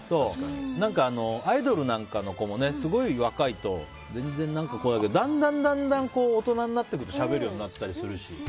アイドルなんかの子もすごい若いと、全然こうだけどだんだん大人になっていくとしゃべるようになったりするし。